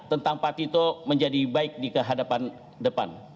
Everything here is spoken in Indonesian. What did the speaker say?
tentang pak tito menjadi baik di kehadapan depan